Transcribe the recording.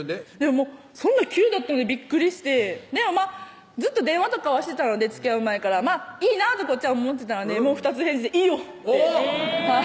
そんな急だったんでびっくりしてでも電話とかはしてたのでつきあう前からいいなとこっちは思ってたので二つ返事で「いいよ」っておぉ！